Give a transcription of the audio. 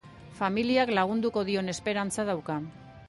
Familiak lagunduko dion esperantza dauka.